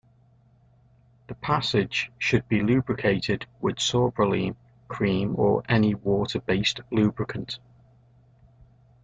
The passage should be lubricated with sorbolene cream or any water-based lubricant.